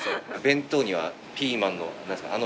弁当にはピーマンのなんですかね